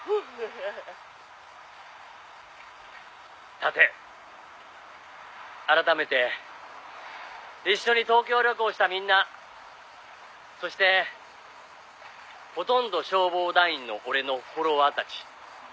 「さて改めて一緒に東京旅行したみんなそしてほとんど消防団員の俺のフォロワーたち